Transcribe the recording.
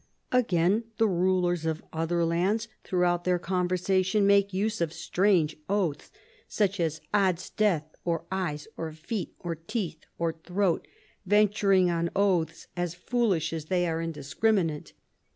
"Again, the rulers of other lands throughout their conversation make use of strange oaths, such as 'od's death, or eyes, or feet, or teeth, or throat, venturing on oaths as foolish as they are indiscriminate.